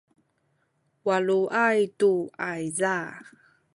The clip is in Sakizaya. waluay tu ayza